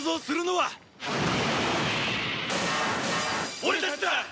俺たちだ！